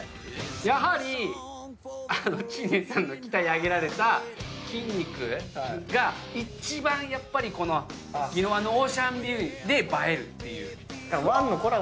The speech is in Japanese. やはり知念さんの鍛え上げられた筋肉が一番やっぱりぎのわんのオーシャンビューで映えるっていう。